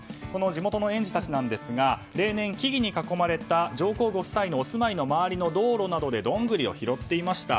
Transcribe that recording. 地元の園児たちなんですが例年、木々に囲まれた上皇ご夫妻のお住まいの周りの道路などでどんぐりを拾っていました。